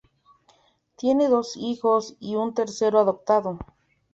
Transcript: Tiene dos hijos y un tercero adoptado.